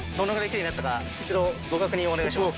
一度ご確認をお願いします。